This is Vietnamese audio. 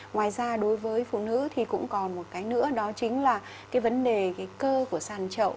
ngoài ra đối với phụ nữ thì cũng còn một cái nữa đó chính là cái vấn đề cái cơ của sàn chậu